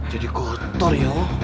jadi kotor yoh